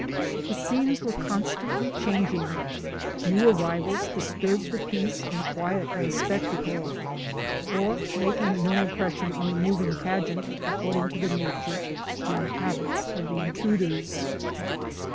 The scenes were constantly changing, new arrivals disturbing the peace and quiet of the spec tacle, or making no impression on the moving pageant, according to the nature and habits of the intruders.